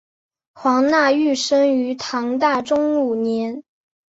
黄讷裕生于唐大中五年。